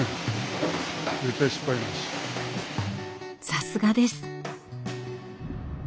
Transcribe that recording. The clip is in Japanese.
さすがです！